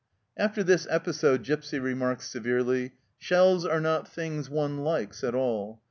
After this episode Gipsy remarks severely: "Shells are not things one likes at all.